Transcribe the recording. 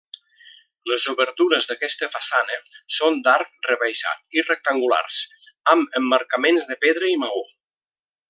Les obertures d'aquesta façana són d'arc rebaixat i rectangulars, amb emmarcaments de pedra i maó.